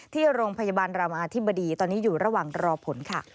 ที่โรงพยาบาลรามาธิบดีตอนนี้อยู่ระหว่างรอผลค่ะ